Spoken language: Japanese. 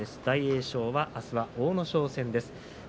大栄翔はあすは阿武咲戦です。